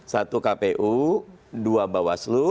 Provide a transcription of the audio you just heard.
satu kpu dua bawaslu